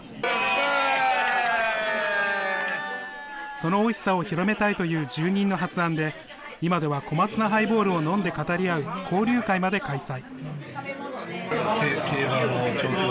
そのおいしさを広めたいという住民の発案で、今では小松菜ハイボールを飲んで語り合う、交流会まで開催。